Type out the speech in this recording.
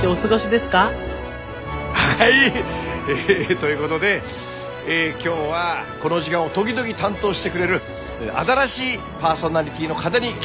というごどで今日はこの時間を時々担当してくれる新しいパーソナリティーの方に来てもらいました。